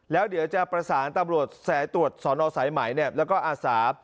แล้วเดี๋ยวจะประสานตำรวจแสตรวจสสใหม่แล้วก็อาสา